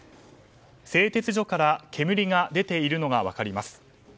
製鉄所から煙が出ているのが分かります。